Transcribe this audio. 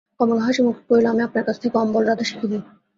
কমলা হাসিমুখে কহিল, আমি আপনার কাছ থেকে অম্বল-রাঁধা শিখিব।